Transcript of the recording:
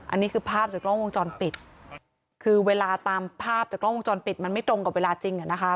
อันนี้คือภาพจากกล้องวงจรปิดคือเวลาตามภาพจากกล้องวงจรปิดมันไม่ตรงกับเวลาจริงอ่ะนะคะ